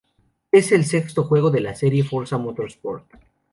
Es el sexto juego de la serie "Forza Motorsport".